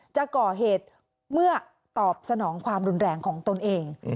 จะก่อเหตุเมื่อตอบสนองความรุนแรงของตนเอง